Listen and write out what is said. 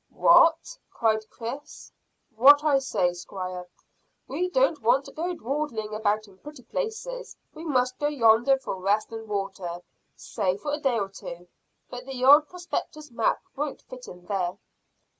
"What!" cried Chris. "What I say, squire. We don't want to go dawdling about in pretty places. We must go yonder for rest and water, say for a day or two, but the old prospector's map won't fit in there."